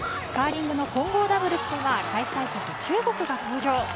カーリングの混合ダブルスでは開催国、中国が登場。